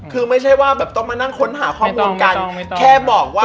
คือไม่ใช่ว่าแบบต้องมานั่งค้นหาข้อมูลกันแค่บอกว่า